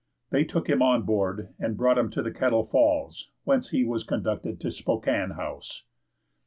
They took him on board, and brought him to the Kettle Falls, whence he was conducted to Spokane House."